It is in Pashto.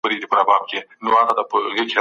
زه په دغه کټ کي نه بېدېږم.